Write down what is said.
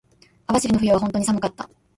網走の冬は本当に寒かった。